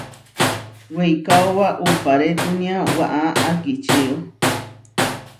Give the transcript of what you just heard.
Weikaóba uʼparetúnia waʼá akíčio.